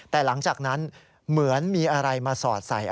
แต่หลังจากนั้นเหมือนมีอะไรมาสอดใส่